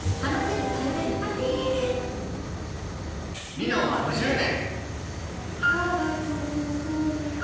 「ミノン」は５０年！